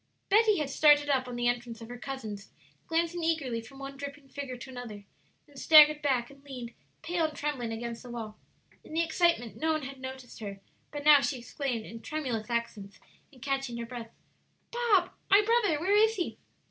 '" Betty had started up on the entrance of her cousins, glancing eagerly from one dripping figure to another, then staggered back and leaned, pale and trembling, against the wall. In the excitement no one had noticed her, but now she exclaimed, in tremulous accents, and catching her breath, "Bob my brother; where is he?"